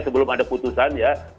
sebelum ada putusan ya